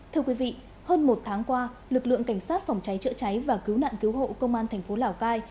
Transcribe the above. thưa quý vị hơn một tháng qua lực lượng cảnh sát phòng cháy chữa cháy và cứu nạn cứu hộ công an thành phố lào cai